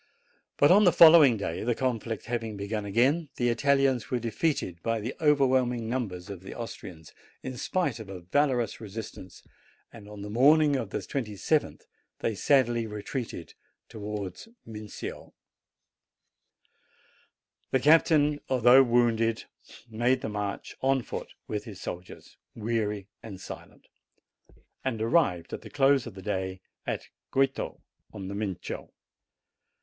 But on the following day, the conflict having begun again, the Italians were defeated by the overwhelm i THEN THE TROOP DARTED OUT OF THE DOOR THE SARDINIAN DRUMMER BOY 105 ing numbers of the Austrians, in spite of a valorous resistance, and on the morning of the 2^th they sadly retreated towards the Mincio. The captain, although wounded, made the march on foot with his soldiers, weary and silent, and arrived at the close of the day at Goito, on the Mincio.